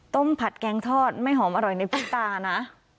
ผัดแกงทอดไม่หอมอร่อยในพวกตานะ